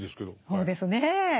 そうですね。